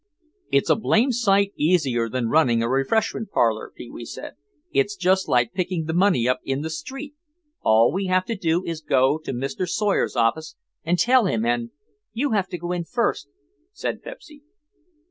"It's a blamed sight easier than running a refreshment parlor," Pee wee said; "it's just like picking the money up in the street. All we have to do is to go to Mr. Sawyer's office and tell him and—" "You have to go in first," said Pepsy.